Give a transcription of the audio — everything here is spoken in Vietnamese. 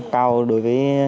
cao đối với